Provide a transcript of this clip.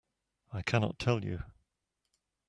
I cannot tell you.